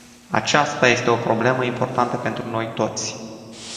Aceasta este o problemă importantă pentru noi toți.